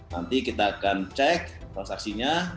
nanti kita akan cek transaksinya